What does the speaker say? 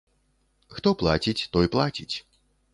Хто плаціць, той плаціць.